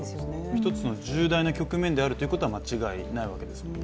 一つの重大な局面であることは間違いないわけですもんね。